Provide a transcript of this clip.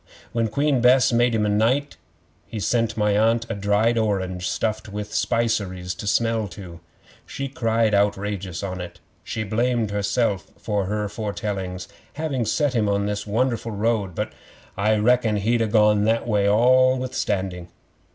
When Queen Bess made him knight, he sent my Aunt a dried orange stuffed with spiceries to smell to. She cried outrageous on it. She blamed herself for her foretellings, having set him on his won'erful road; but I reckon he'd ha' gone that way all withstanding.